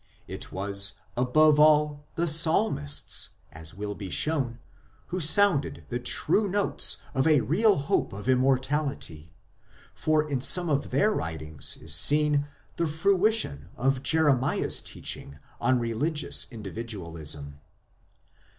It was, above all, the psalmists, as will be shown, who sounded the true notes of a real hope of Immortality, for in some of their writings is seen the fruition of Jeremiah s teaching on religious individualism.